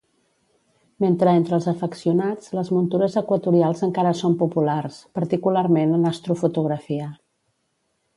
Mentre entre els afeccionats les muntures equatorials encara són populars, particularment en astrofotografia.